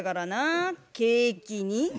「ケーキ」に。